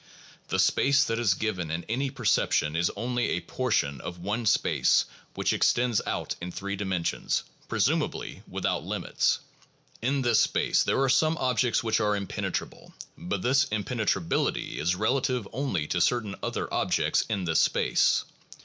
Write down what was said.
The space that is given in any perception is only a portion of one space which extends out in three dimensions, presumably without limits. In this space there are some objects which are impene trable; but this impenetrability is relative only to certain other objects in this space.